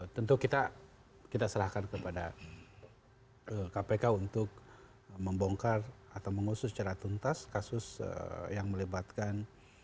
tentu kita serahkan kepada kpk untuk membongkar atau mengusut secara tuntas kasus yang melibatkan